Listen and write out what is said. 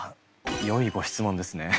よいご質問ですね。